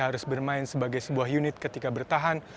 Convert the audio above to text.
harus bermain sebagai sebuah unit ketika bertahan